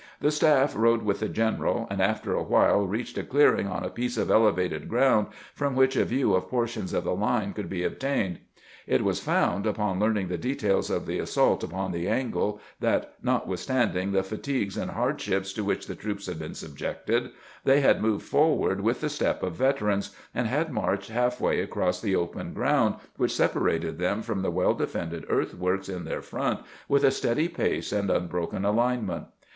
The staff rode with the general, and after a while reached a clear ing on a piece of elevated ground from which a view of portions of the line could be obtained. It was found, upon learning the details of the assault upon the " angle," that, notwithstanding the fatigues and hardships to which the troops had been subjected, they had moved forward with the step of veterans, and had marched half way across the open ground which separated them from the well defended earthworks in their front with a steady pace and unbroken alinement.